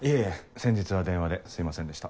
先日は電話ですいませんでした。